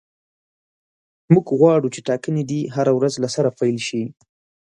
موږ غواړو چې ټاکنې دې هره ورځ له سره پیل شي.